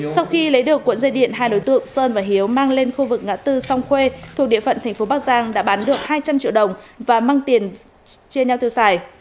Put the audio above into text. sau khi lấy được cuộn dây điện hai đối tượng sơn và hiếu mang lên khu vực ngã tư song khuê thuộc địa phận thành phố bắc giang đã bán được hai trăm linh triệu đồng và mang tiền chia nhau tiêu xài